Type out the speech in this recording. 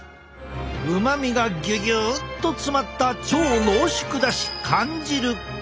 うまみがギュギュッと詰まった超濃縮だし缶汁。